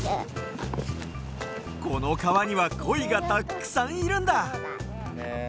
このかわにはコイがたっくさんいるんだ！